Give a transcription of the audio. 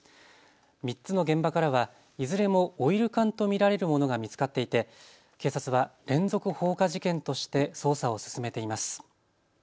３つの現場からはいずれもオイル缶と見られるものが見つかっていて警察は連続放火事件として捜査を進めています。